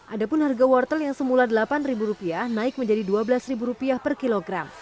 ada pun harga wortel yang semula delapan ribu rupiah naik menjadi dua belas ribu rupiah per kilogram